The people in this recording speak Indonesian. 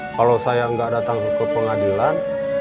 kalau saya nggak datang ke pengadilan